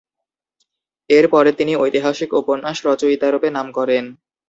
এর পরে তিনি ঐতিহাসিক উপন্যাস রচয়িতা রূপে নাম করেন।